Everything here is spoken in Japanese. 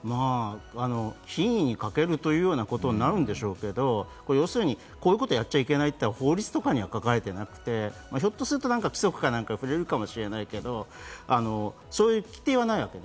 品位に欠けるというようなことになるでしょうけれども、要するにこういうことをやっちゃいけないと、法律には書かれていなくて、ひょっとすると規則に触れるかもしれないけれども、そういう規定はないわけ。